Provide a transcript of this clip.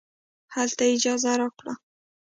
هلته یې اجازه راکړه.